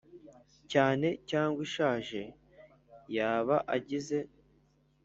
Cyane cyangwa ishaje yaba agize